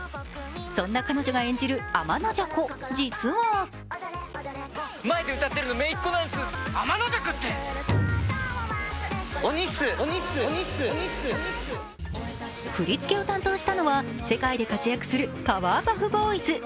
そんな彼女が演じるあまのじゃ子、実は振り付けを担当したのは世界で活躍するパワーパフボーイズ。